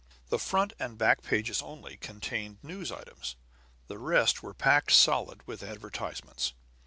The front and back pages, only, contained news items; the remainder were packed solid with advertisements.